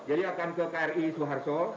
jadi akan ke kri suharto